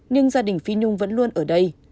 nhưng gia đình phi nhung vẫn luôn ở đây